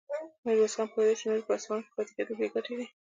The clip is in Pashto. ميرويس خان پوهېده چې نور يې په اصفهان کې پاتې کېدل بې ګټې دي.